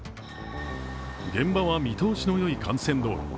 現場は見通しのよい幹線道路。